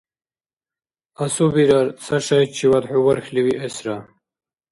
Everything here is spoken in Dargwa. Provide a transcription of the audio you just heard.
Асубирар, ца шайчивад хӀу вархьли виэсра.